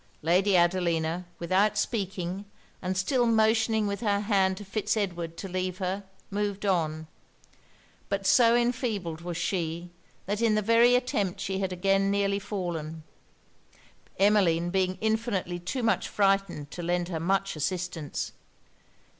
Lady Adelina, without speaking, and still motioning with her hand to Fitz Edward to leave her, moved on. But so enfeebled was she, that in the very attempt she had again nearly fallen; Emmeline being infinitely too much frightened to lend her much assistance.